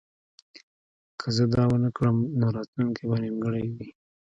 که زه دا ونه کړم نو راتلونکی به نیمګړی وي